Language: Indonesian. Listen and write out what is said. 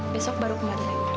besok baru kembali